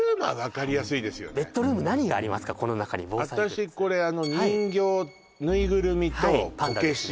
私これ人形ぬいぐるみとはいパンダですね